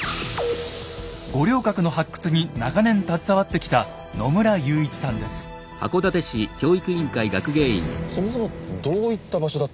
五稜郭の発掘に長年携わってきたそもそもどういった場所だったんですか？